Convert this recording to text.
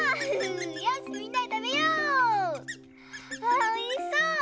おいしそう！